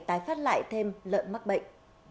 tái phát lại thêm lợn mắc bệnh